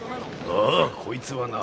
ああこいつはな